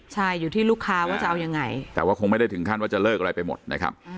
ใช่อยู่ที่ลูกค้าว่าจะเอายังไงแต่ว่าคงไม่ได้ถึงขั้นว่าจะเลิกอะไรไปหมดนะครับ